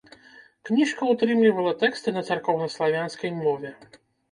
Кніжка ўтрымлівала тэксты на царкоўнаславянскай мове.